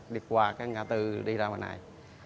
đi qua ngã tư đi ra ngoài này